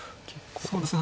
そうですね